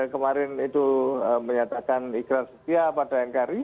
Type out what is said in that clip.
kemarin itu menyatakan iklan setia pada nkri